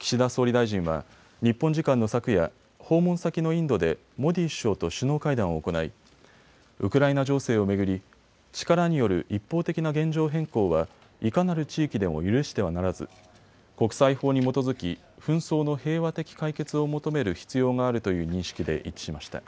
岸田総理大臣は日本時間の昨夜、訪問先のインドでモディ首相と首脳会談を行いウクライナ情勢を巡り力による一方的な現状変更はいかなる地域でも許してはならず国際法に基づき紛争の平和的解決を求める必要があるという認識で一致しました。